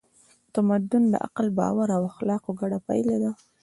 تمدن د عقل، باور او اخلاقو ګډه پایله ده.